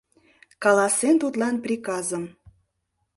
Каласен тудлан приказым: